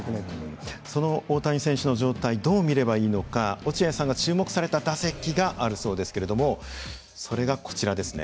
その大谷選手の状態どう見ればいいのか落合さんが注目された打席があるそうですけれどもそれがこちらですね。